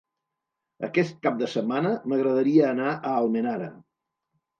Aquest cap de setmana m'agradaria anar a Almenara.